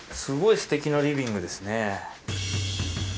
すごいすてきなリビングですね。